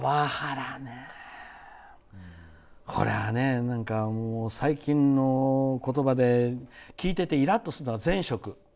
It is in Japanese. これはね、最近の言葉で聞いててイラッとするのが前職。